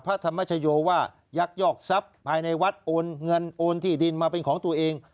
พระธรรมชโยว่ายักยอกทรัพย์ภายในวัดโอนเงินโอนที่ดินมาเป็นของตัวเอง